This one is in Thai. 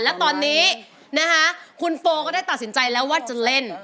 และตอนนี้นะคะคุณโฟก็ได้ตัดสินใจแล้วว่าจะเล่น